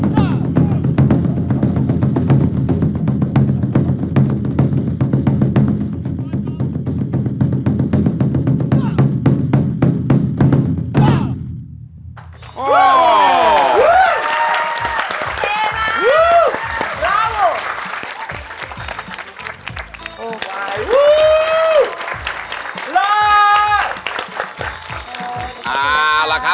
ดีดีดีมาก